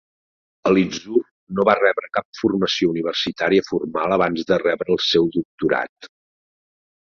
Elitzur no va rebre cap formació universitària formal abans de rebre el seu doctorat.